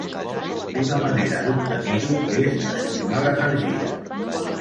Una manera d'obtenir-ho és estimar l'energia.